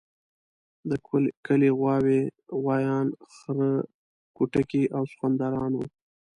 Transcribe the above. د کلي غواوې، غوایان، خره کوټکي او سخوندران وو.